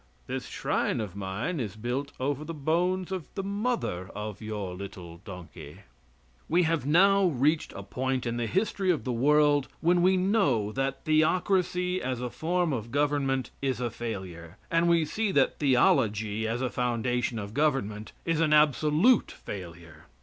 This shrine of mine is built over the bones of the mother of your little donkey." We have now reached a point in the history of the world when we know that theocracy as a form of government is a failure, and we see that theology as a foundation of government is an absolute failure.